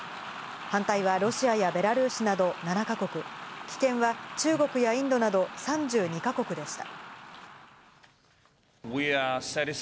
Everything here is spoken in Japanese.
反対はロシアやベラルーシなど７か国、棄権は中国やインドなど３２か国でした。